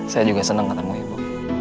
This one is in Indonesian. saya juga senang ketemu ibu